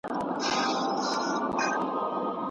په روغتونونو کي باید د ناروغانو درملنه په ښه کیفیت وسي.